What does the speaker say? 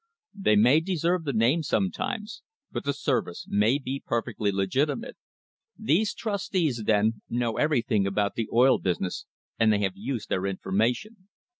They may deserve the name sometimes, but the service may be perfectly legitimate. These trustees then "know everything" about the oil busi ness and they have used their information.